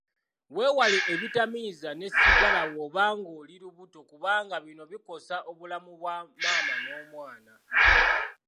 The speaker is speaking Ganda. Weewale ebitamiiza ne sigala bw'oba ng'oli lubuto kubanga bino bikosa obulamu bwa maama n'omwana.